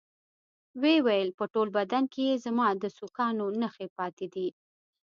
ويې ويل په ټول بدن کښې يې زما د سوکانو نخښې پاتې دي.